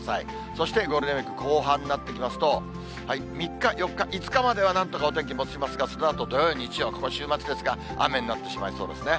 そしてゴールデンウィーク後半になってきますと、３日、４日、５日まではなんとかお天気もちますが、そのあと土曜、日曜、今週末ですが、雨になってしまいそうですね。